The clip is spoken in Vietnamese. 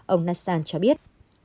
ông naishan cho biết